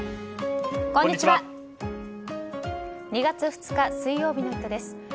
２月２日水曜日の「イット！」です。